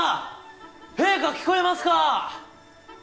陛下聞こえますか？